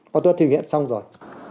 và tôi đã thiết nghiệm xong rồi